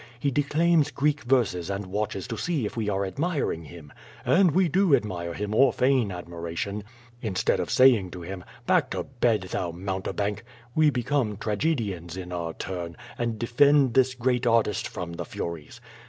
He declaims Greek verses and watches to see if we are admiring him. And we do admire him or feign admiration. Instead of saying to him, "back to bed, thou mountebank!*' we become tragedians in our turn, and defend this great artist from the furies.